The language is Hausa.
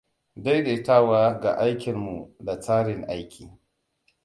Daidaitawa ga aikin mu da tsarin aiki